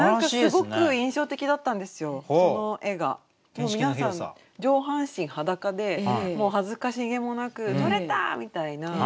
もう皆さん上半身裸で恥ずかしげもなく「取れた！」みたいな。